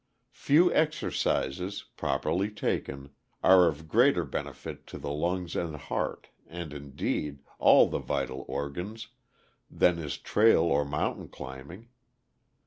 Few exercises, properly taken, are of greater benefit to the lungs and heart, and indeed, all the vital organs, than is trail or mountain climbing.